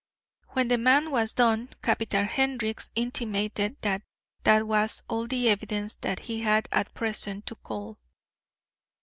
When the man had done, Captain Hendricks intimated that that was all the evidence that he had at present to call.